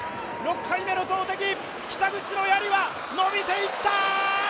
６回目の投てき、北口のやりは伸びていった！